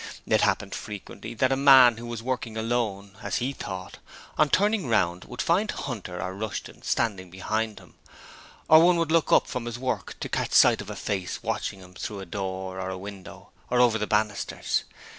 It happened frequently that a man who was working alone as he thought on turning round would find Hunter or Rushton standing behind him: or one would look up from his work to catch sight of a face watching him through a door or a window or over the banisters.